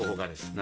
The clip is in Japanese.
何？